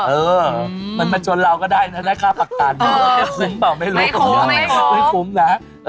เออมันมาชนเราก็ได้นะค่าภักษ์ต่างไม่คุ้มเปล่าไม่รู้ไม่คุ้มนะ